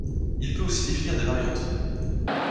Il peut aussi définir des variantes.